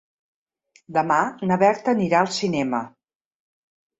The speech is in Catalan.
Demà na Berta anirà al cinema.